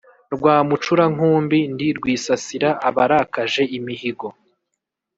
Rwamucurankumbi ndi rwisasira abarakaje imihigo,